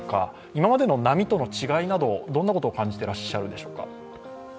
今までの波との違いなどどんなことを感じてらっしゃるでしょうか？